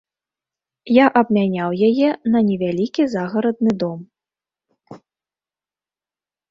Я абмяняў яе на невялікі загарадны дом.